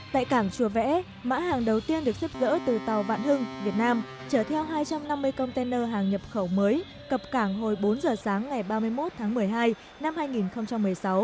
tại cảng chùa vẽ mã hàng đầu tiên được xếp dỡ từ tàu vạn hưng việt nam chở theo hai trăm năm mươi container hàng nhập khẩu mới cập cảng hồi bốn giờ sáng ngày ba mươi một tháng một mươi hai năm hai nghìn một mươi sáu